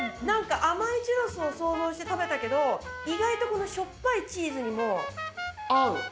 なんか甘いチュロスを想像して食べたけど、意外とこのしょっぱいチーズにも合う。